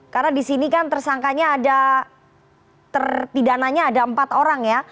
karena di sini kan tersangkanya ada di dananya ada empat orang ya